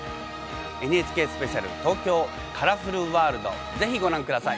ＮＨＫスペシャル「ＴＯＫＹＯカラフルワールド」是非ご覧ください。